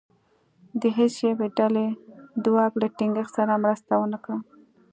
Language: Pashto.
د هېڅ یوې ډلې دواک له ټینګښت سره مرسته ونه کړه.